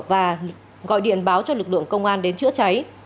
và gọi điện báo cho lực lượng công an đến chữa cháy